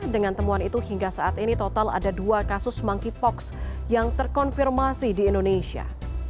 dengan temuan itu hingga saat ini total ada dua kasus monkeypox yang terkonfirmasi di indonesia